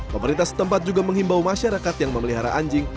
pemerintah setempat juga menghimbau masyarakat yang memelihara anjing